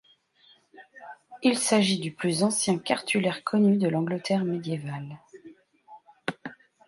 Il s'agit du plus ancien cartulaire connu de l'Angleterre médiévale.